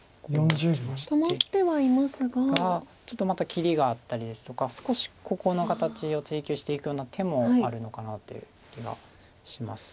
止まってはいますが。がちょっとまた切りがあったりですとか少しここの形を追及していくような手もあるのかなという気がします。